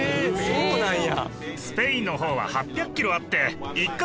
そうなんや！